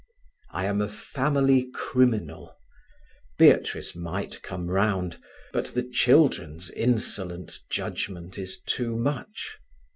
"I am a family criminal. Beatrice might come round, but the children's insolent judgement is too much.